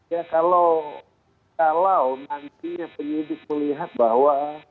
ya kalau nantinya penyidik melihat bahwa